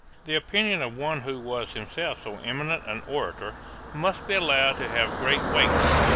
The opinion of one who was himself so eminent an orator, must be allowed to have great weight.